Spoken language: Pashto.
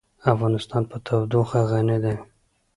افغانستان په تودوخه غني دی.